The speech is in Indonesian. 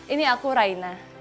ini aku raina